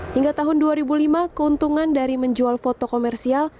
hingga tahun dua ribu lima keuntungan dari menjual foto komersial